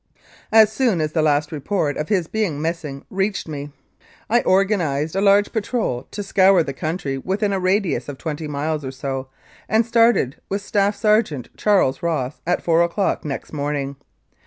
As soon as the report of his being missing reached me I organised a large patrol to scour the country within a radius of twenty miles or so, and started with Staff Sergeant Charles Ross at four o'clock next morning.